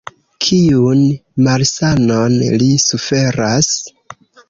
Kiun malsanon li suferas?